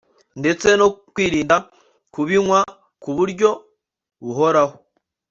ndetse no kwirinda kubinywa ku buryo buhoraho